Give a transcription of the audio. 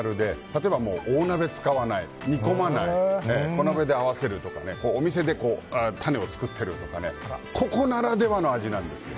例えば大鍋を使わない煮込まない、小鍋に合わせるとかお店でタネを作っているとかここならではの味なんですよ。